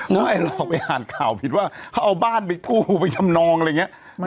ไอ้หลอกไปอ่านข่าวผิดว่าเขาเอาบ้านไปกู้ไปทำนองอะไรอย่างนี้